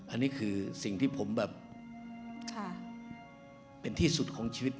อันนี้คือสิ่งที่ผมแบบเป็นที่สุดของชีวิต